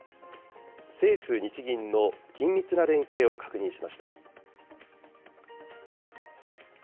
政府・日銀の緊密な連携を確認しました。